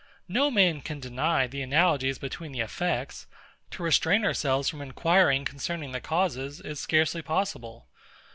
No man can deny the analogies between the effects: To restrain ourselves from inquiring concerning the causes is scarcely possible.